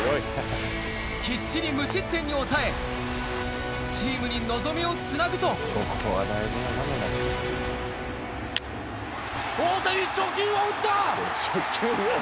きっちり無失点に抑えチームに望みをつなぐと大谷初球を打った！